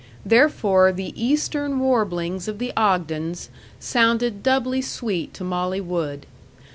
Therefore the Eastern warblings of the Ogdens sounded doubly sweet to Molly Wood.